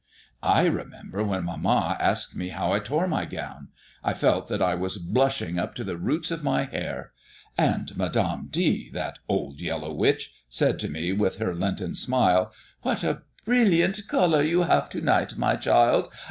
"I remember when mamma asked me how I tore my gown, I felt that I was blushing up to the roots of my hair. And Madame D., that old yellow witch, said to me with her lenten smile, 'What a brilliant color you have to night, my child!'